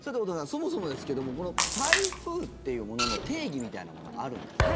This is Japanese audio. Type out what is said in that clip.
そもそもですけどこの台風っていうものの定義みたいなものはあるんですか？